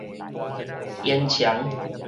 煙腸